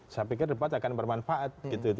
saya pikir debat akan bermanfaat